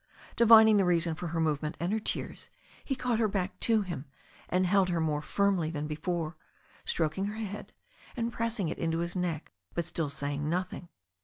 Divining the reason for her movement and her tears, he caught her back to him, and held her more firmly than be fore, stroking her head, and pressing it into his neck, but still saying nothing.